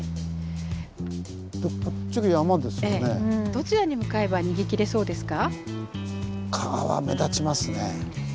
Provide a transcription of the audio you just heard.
どちらに向かえば逃げきれそうですか？